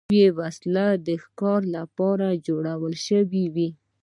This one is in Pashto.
نوې وسلې د ښکار لپاره جوړې شوې.